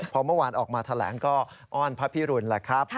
พอเมื่อวานออกมาแถลงก็อ้อนพระพิรุณแหละครับ